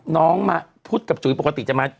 น้องมาพุทธกับจุ๋ยปกติจะมา